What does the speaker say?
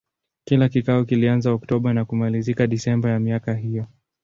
Kila kikao kilianza Oktoba na kumalizika Desemba ya miaka hiyo.